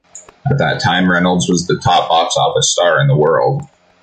At that time Reynolds was the top box office star in the world.